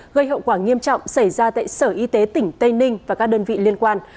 gây hậu quả nghiêm trọng xảy ra tại sở y tế tỉnh tây ninh và các đơn vị liên quan